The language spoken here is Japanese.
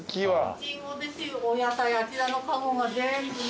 イチゴお野菜あちらのカゴが全部ね。